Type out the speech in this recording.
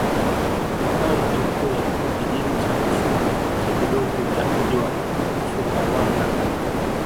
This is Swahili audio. Makao yake makuu yalikuwa Kijiji cha Kisumba nje kidogo ya mji wa Sumbawanga